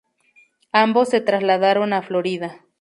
Ambos se trasladaron a Florida.